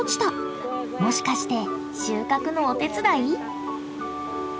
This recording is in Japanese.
もしかして収穫のお手伝い？